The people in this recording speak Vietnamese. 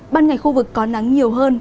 ban ngày khu vực có nắng nhiều hơn